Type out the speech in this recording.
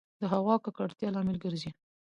د هــوا د ککــړتـيـا لامـل ګـرځـي